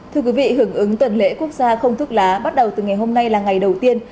thưa quý vị hưởng ứng tuần lễ quốc gia không thuốc lá bắt đầu từ ngày hôm nay là ngày đầu tiên